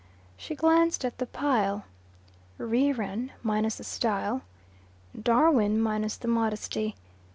She glanced at the pile. Reran, minus the style. Darwin, minus the modesty.